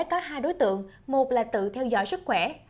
có hai đối tượng một là tự theo dõi sức khỏe